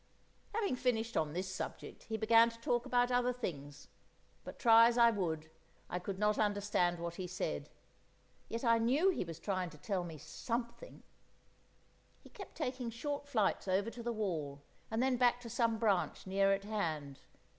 Having finished on this subject, he began to talk about other things; but try as I would, I could not understand what he said; yet I knew he was trying to tell me something. He kept taking short flights over to the wall, and then back to some branch near at hand.